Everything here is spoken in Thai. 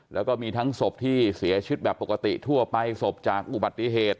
แล้วก็มีทั้งศพที่เสียชีวิตแบบปกติทั่วไปศพจากอุบัติเหตุ